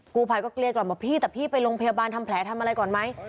กูภัยก็เกลี้ยกล่อมบอกพี่แต่พี่ไปโรงพยาบาลทำแผลทำอะไรก่อนไหม